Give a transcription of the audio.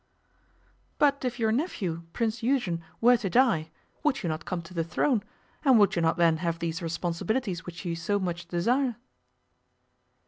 'But if your nephew, Prince Eugen, were to die, would you not come to the throne, and would you not then have these responsibilities which you so much desire?